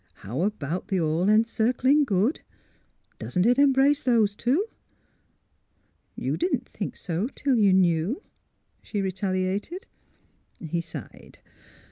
'' How about the All Encircling Good? Doesn't it embrace those two? "" You didn't think so, till you knew," she re taliated. He sighed.